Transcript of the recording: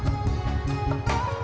gak usah banyak ngomong